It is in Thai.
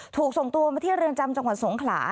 ถูกส่งตัวมาที่เรือนจำจังหวัดสงขลา